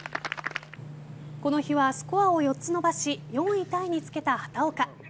この日は、スコアを４つ伸ばし４位タイにつけた畑岡。